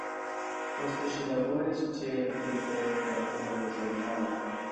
Poste ŝi laboris ĉe literaturĵurnalo.